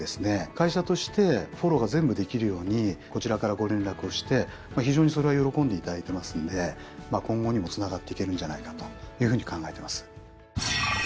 会社としてフォローが全部できるようにこちらからご連絡をして非常にそれは喜んでいただいてますんで今後にもつながっていけるんじゃないかというふうに考えてます。